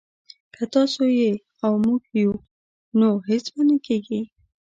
که تاسو يئ او موږ يو نو هيڅ به نه کېږي